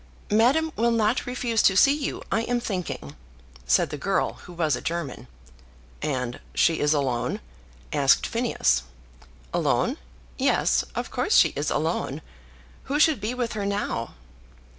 "Madame will not refuse to see you, I am thinking," said the girl, who was a German. "And she is alone?" asked Phineas. "Alone? Yes; of course she is alone. Who should be with her now?"